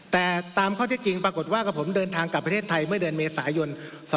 แต่ตามข้อที่จริงปรากฏว่ากับผมเดินทางกลับประเทศไทยเมื่อเดือนเมษายน๒๕๖